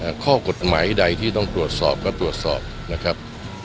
ข้อกฎหมายใดที่ต้องตรวจสอบก็ตรวจสอบนะครับ